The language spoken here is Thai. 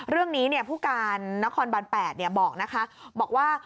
เรื่องนี้ผู้การนครบัน๘บอกว่า